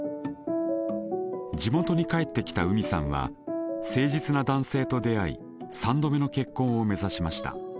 地元に帰ってきた海さんは誠実な男性と出会い３度目の結婚を目指しました。